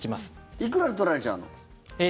いくら取られちゃうの？